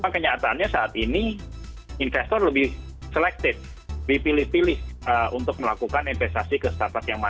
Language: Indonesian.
kenyataannya saat ini investor lebih selected lebih pilih pilih untuk melakukan investasi ke start up yang mana